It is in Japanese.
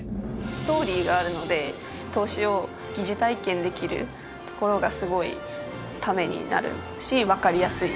ストーリーがあるので投資を疑似体験できるところがすごいためになるしわかりやすいなと思います。